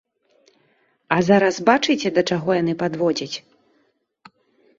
А зараз бачыце, да чаго яны падводзяць.